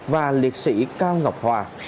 và liệt sĩ cao ngọc hòa